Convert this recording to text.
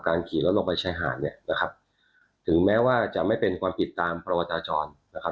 ขี่รถลงไปชายหาดเนี่ยนะครับถึงแม้ว่าจะไม่เป็นความผิดตามประวจราจรนะครับ